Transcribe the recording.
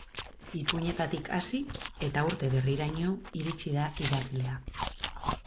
Ipuinetatik hasi, eta urte berriraino iritsi da idazlea.